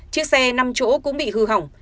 chiếc xe năm chỗ cũng bị hư hỏng